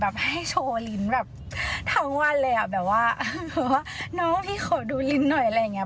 ให้โชว์ลิ้นแบบทั้งวันเลยอ่ะแบบว่าน้องพี่ขอดูลิ้นหน่อยอะไรอย่างเงี้